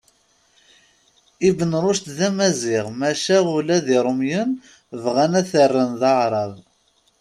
Ibn Rucd d amaziɣ maca ula d Iṛumiyen bɣan ad t-rren d aεrab.